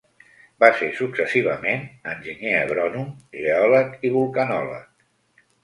Va ser successivament enginyer agrònom, geòleg i vulcanòleg.